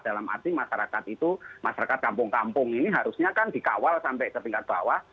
dalam arti masyarakat itu masyarakat kampung kampung ini harusnya kan dikawal sampai ke tingkat bawah